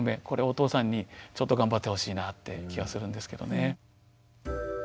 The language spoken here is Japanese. これはお父さんにちょっと頑張ってほしいなって気がするんですけどね。